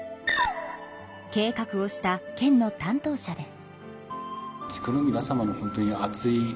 計画をした県の担当者です。